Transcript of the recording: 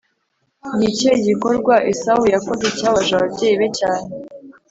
Ni ikihe gikorwa Esawu yakoze cyababaje ababyeyi be cyane